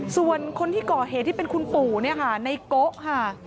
ส่วนคนที่เกาะเหตุที่เป็นคุณปู่ในเกาะค่ะ